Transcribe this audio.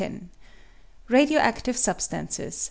i Radio active Substances.